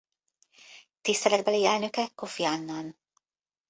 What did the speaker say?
Tiszteletbeli elnöke Kofi Annan.